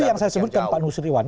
itu yang saya sebutkan pak nusriwan